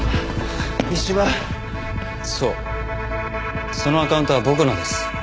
そうそのアカウントは僕のです。